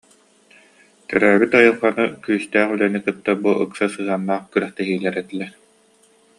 Төрөөбүт айылҕаны, күүстээх үлэни кытта бу ыкса сыһыаннаах күрэхтэһиилэр этилэр